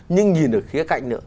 nhưng nhìn ở khía cạnh nữa